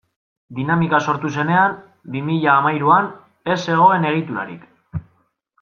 Dinamika sortu zenean, bi mila hamahiruan, ez zegoen egiturarik.